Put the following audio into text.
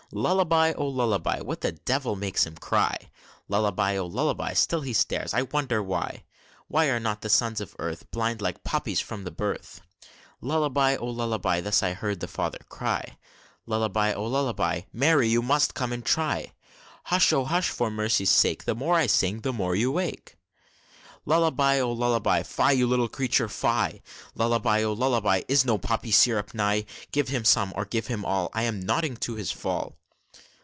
"Lullaby, oh, lullaby! What the devil makes him cry? Lullaby, oh, lullaby! Still he stares I wonder why, Why are not the sons of earth Blind, like puppies, from the birth?" "Lullaby, oh, lullaby!" Thus I heard the father cry; "Lullaby, oh, lullaby! Mary, you must come and try! Hush, oh, hush, for mercy's sake The more I sing, the more you wake!" "Lullaby, oh, lullaby! Fie, you little creature, fie! Lullaby, oh, lullaby! Is no poppy syrup nigh? Give him some, or give him all, I am nodding to his fall!"